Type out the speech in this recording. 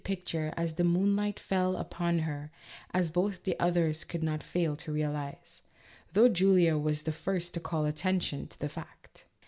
picture as the moonlight fell upon her, as both the others could not fail to realize, though Julia was the first to call attention to the fact.